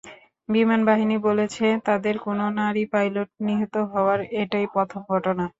বিমানবাহিনী বলেছে, তাদের কোনো নারী পাইলট নিহত হওয়ার এটাই প্রথম ঘটনা।